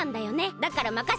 だからまかせて！